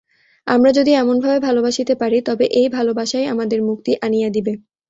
আমরা যদি এমনভাবে ভালবাসিতে পারি, তবে এই ভালবাসাই আমাদের মুক্তি আনিয়া দিবে।